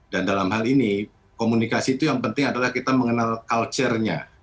dan dalam hal ini komunikasi itu yang penting adalah kita mengenal culture nya